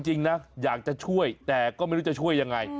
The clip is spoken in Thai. จริงนะอยากจะช่วยแต่ก็ไม่รู้จะช่วยยังไง